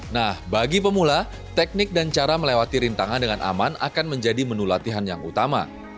nah bagi pemula teknik dan cara melewati rintangan dengan aman akan menjadi menu latihan yang utama